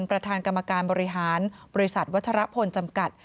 ประธานกรรมการบริหารบริษัทวัชรพลจำกัด